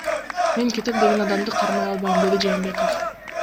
Мен кетем деген адамды кармай албайм, — деди Жээнбеков.